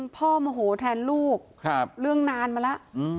โมโหแทนลูกเรื่องนานมาแล้ว